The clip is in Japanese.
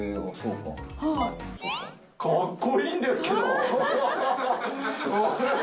かっこいいんですけど。